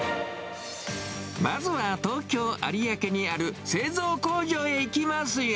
まずは東京・有明にある製造工場へ行きますよ。